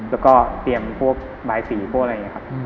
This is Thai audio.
แล้วก็เตรียมพวกบายสีพวกอะไรอย่างนี้ครับ